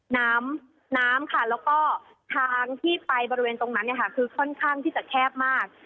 น้ำน้ำค่ะแล้วก็ทางที่ไปบริเวณตรงนั้นเนี่ยค่ะคือค่อนข้างที่จะแคบมาก